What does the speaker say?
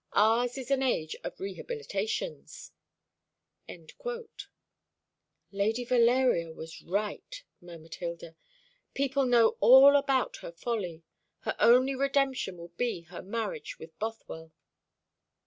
Ours is an age of rehabilitations." "Lady Valeria was right," murmured Hilda. "People know all about her folly. Her only redemption will be her marriage with Bothwell."